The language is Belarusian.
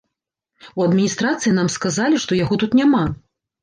У адміністрацыі нам сказалі, што яго тут няма.